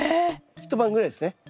一晩ぐらいですね。